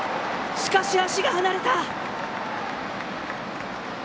しかし足が離れた。